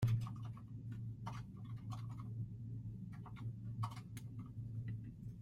Variations on a musical air With great rapidity.